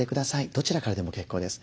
どちらからでも結構です。